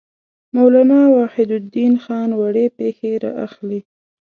مولانا وحیدالدین خان وړې پېښې را اخلي.